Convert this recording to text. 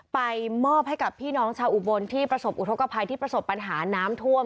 ไปมอบให้กับพี่น้องชาวอุบลที่ประสบอุทธกภัยที่ประสบปัญหาน้ำท่วม